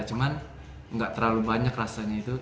cuman gak terlalu banyak rasanya